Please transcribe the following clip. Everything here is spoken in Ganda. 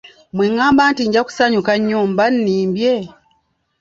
Bwe ngamba nti nja kusanyuka nnyo mba nnimbye?